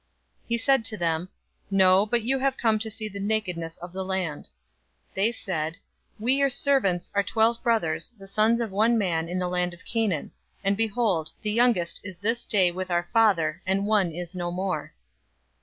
042:012 He said to them, "No, but you have come to see the nakedness of the land." 042:013 They said, "We, your servants, are twelve brothers, the sons of one man in the land of Canaan; and behold, the youngest is this day with our father, and one is no more."